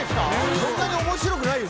そんなに面白くないよ